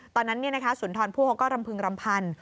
ตอนนั้นสุนทรผู้เขาก็รำพึงรำพัน